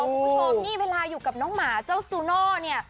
คุณผู้ชมนี่เวลาอยู่กับน้องหมาเจ้าซูโน่เนี่ย